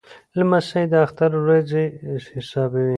لمسی د اختر ورځې حسابوي.